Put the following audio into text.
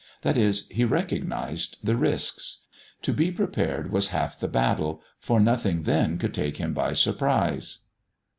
That is, he recognised the risks. To be prepared was half the battle, for nothing then could take him by surprise.